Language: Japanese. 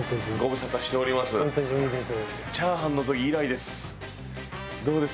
お久しぶりです。